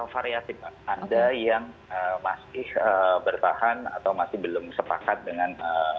variatif pak ada yang masih bertahan atau masih belum sepakat dengan